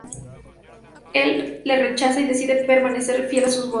Él le rechaza y decide permanecer fiel a sus votos.